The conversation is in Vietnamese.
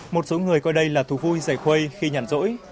một số người coi đây là thú vui dày khuây khi nhản rỗi